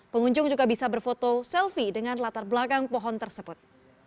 pengunjung juga bisa berfoto selfie dengan latar belakang pohon tersebut